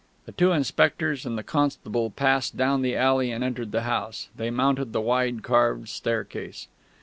The two inspectors and the constable passed down the alley and entered the house. They mounted the wide carved staircase.